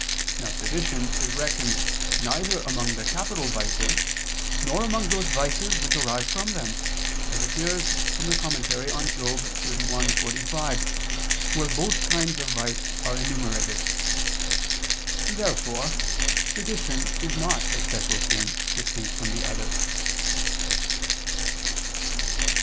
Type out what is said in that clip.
Now sedition is reckoned neither among the capital vices, nor among those vices which arise from them, as appears from Moral. xxxi, 45, where both kinds of vice are enumerated. Therefore sedition is not a special sin, distinct from other sins.